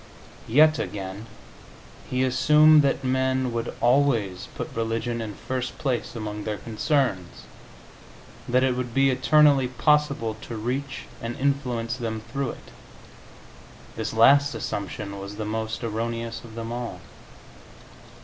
Yet again, He assumed that men would always put religion in first place among their concerns that it would be eternally possible to reach and influence them through it. This last assumption was the most erroneous of them all.